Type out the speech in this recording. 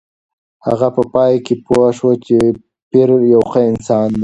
هغه په پای کې پوه شوه چې پییر یو ښه انسان دی.